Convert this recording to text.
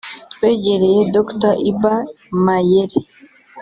twegereye Dr Iba Mayere